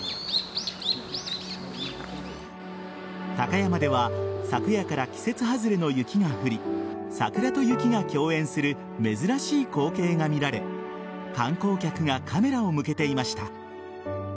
高山では昨夜から季節外れの雪が降り桜と雪が共演する珍しい光景が見られ観光客がカメラを向けていました。